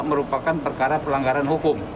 merupakan perkara pelanggaran hukum